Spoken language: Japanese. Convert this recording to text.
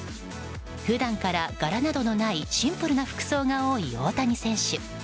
普段から柄などのないシンプルな服装が多い大谷選手。